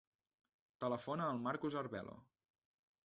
Telefona al Marcos Arvelo.